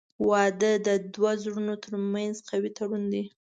• واده د دوه زړونو ترمنځ قوي تړون دی.